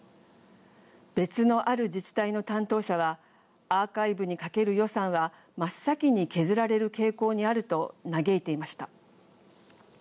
別のある自治体の担当者はアーカイブにかける予算は真っ先に削られる傾向にあると嘆いていました。